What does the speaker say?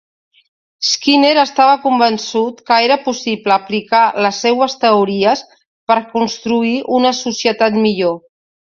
Skinner estava convençut que era possible aplicar les seues teories per construir una societat millor.